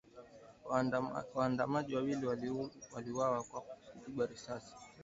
Waandamanaji wawili waliuawa kwa kupigwa risasi wakati wa maandamano nchini Sudan.